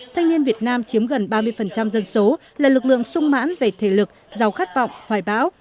thanh niên việt nam chiếm gần ba mươi dân số là lực lượng sung mãn về thể lực giàu khát vọng hoài bão